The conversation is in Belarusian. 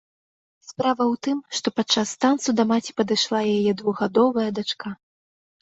Справа ў тым, што падчас танцу да маці падышла яе двухгадовая дачка.